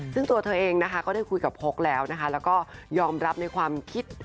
ซึ่งตัวเธอเองนะคะก็ได้คุยกับพกแล้วนะคะแล้วก็ยอมรับในความคิด